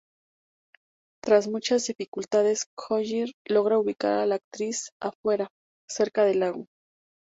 Tras muchas dificultades, Collier logra ubicar a la actriz afuera, cerca del lago.